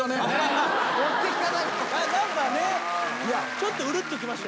ちょっとうるっときました。